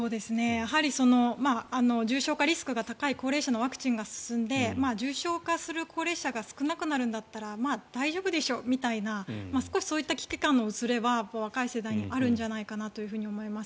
やはり重症化リスクが高い高齢者のワクチンが進んで重症化する高齢者が少なくなるんだったら大丈夫でしょうみたいな少しそういった危機感の薄れは若い世代にあるんじゃないかなと思います。